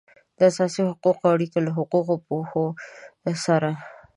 د اساسي حقوقو اړیکه له حقوقي پوهو سره